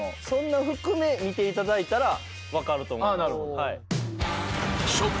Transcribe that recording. そんなん含め見ていただいたら分かると思います。